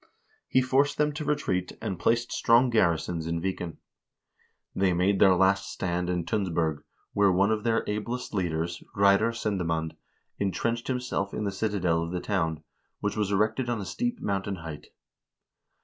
He forced them to retreat, and placed strong garrisons in Viken. 406 HISTORY OP THE NORWEGIAN PEOPLE They made their last stand in Tunsberg, where one of their ablest leaders, Reidar Sendemand, intrenched himself in the citadel of the town, which was erected on a steep mountain height.